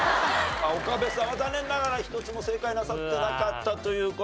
岡部さんは残念ながら１つも正解なさってなかったという事でね。